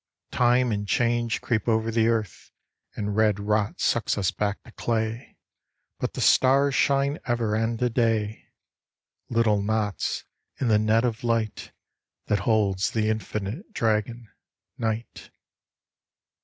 Time and Change creep over the earth, And red rot sucks us back to clay ; But the stars shine ever and a day, Little knots in the net of light That holds the infinite dragon, Night.